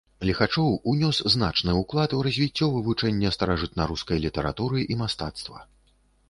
Ліхачоў ўнёс значны ўклад у развіццё вывучэння старажытнарускай літаратуры і мастацтва.